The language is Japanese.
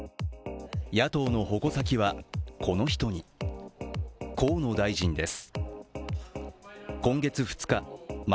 野党の矛先は、この人に河野大臣です。